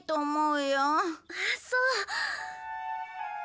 そう。